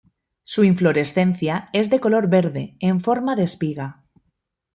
Su inflorescencia es de color verde, en forma de espiga.